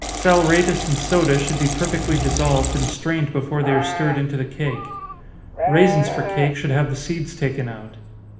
Saleratus and soda should be perfectly dissolved, and strained before they are stirred into the cake. Raisins for cake should have the seeds taken out.